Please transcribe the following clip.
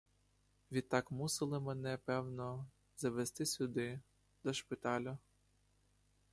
Відтак мусили мене, певно, завести сюда, до шпиталю.